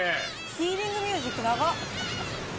ヒーリングミュージック長っ！